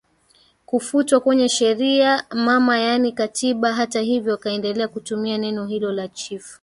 kufutwa kwenye sheria mama yaani Katiba Hata hivyo wakaendelea kutumia neno hilo la Chief